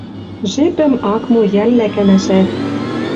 Жепӹм ак мо йӓллӓ кӓнӓшӓт...